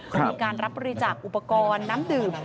มีการรับบริจาคอุปกรณ์น้ำดื่ม